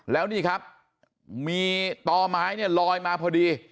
แล้วนี่ครับมีต่อไม้เนี่ยลอยมาพอดี